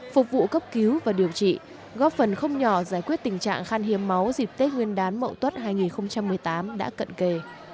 phục vụ cấp cứu và điều trị góp phần không nhỏ giải quyết tình trạng khan hiếm máu dịp tết nguyên đán mậu tuất hai nghìn một mươi tám đã cận kề